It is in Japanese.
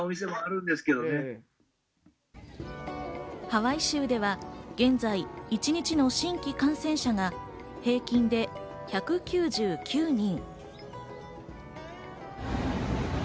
ハワイ州では現在、一日の新規感染者が平均で１９９人。